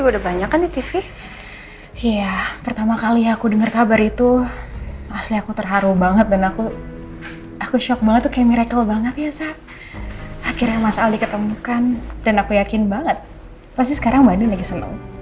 dan aku yakin banget pasti sekarang bandin lagi seneng